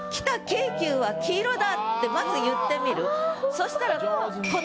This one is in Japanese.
まず言ってみるそしたら。